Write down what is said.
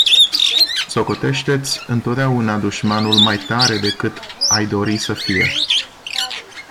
Socotește-ți întotdeauna dușmanul mai tare decât ai dori să fie.